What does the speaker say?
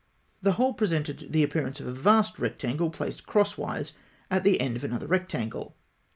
The whole presented the appearance of a vast rectangle placed crosswise at the end of another rectangle.